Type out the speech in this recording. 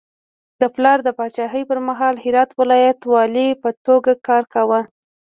د پلار د پاچاهي پر مهال د هرات ولایت والي په توګه کار کاوه.